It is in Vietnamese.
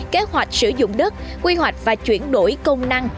kế hoạch sử dụng đất quy hoạch và chuyển đổi công năng